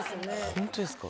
ホントですか？